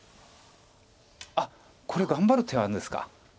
あっこれ頑張る手あるんですか。